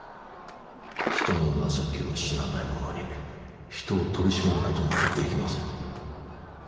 人の情けを知らない者に人を取り締まることなどできません。